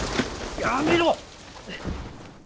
やめろ！